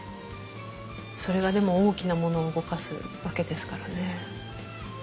それがでも大きなものを動かすわけですからね。